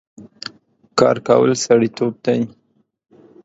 کار کول سړيتوب دی